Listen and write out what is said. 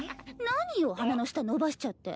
何よ鼻の下伸ばしちゃって。